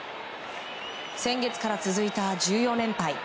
先月から続いた１４連敗。